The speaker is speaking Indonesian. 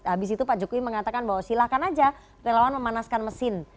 habis itu pak jokowi mengatakan bahwa silahkan aja relawan memanaskan mesin